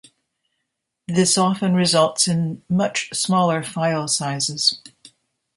This often results in much smaller file sizes.